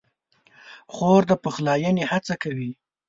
خور د پخلاینې هڅه کوي.